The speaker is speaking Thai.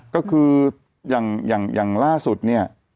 ก็คืออย่างล่าสุดเนี่ย